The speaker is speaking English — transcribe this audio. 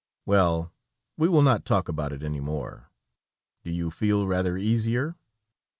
"Well, we will not talk about it any more. Do you feel rather easier?"